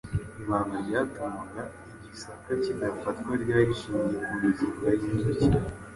Ibanga ryatumaga i Gisaka kidafatwa ryari rishingiye ku mizinga y’inzuki.